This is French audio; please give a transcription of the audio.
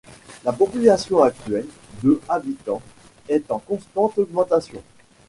La population actuelle, de habitants, est en constante augmentation.